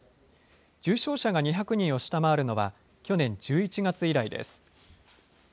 重症者が２００人を下回るのは去年１１月以来です。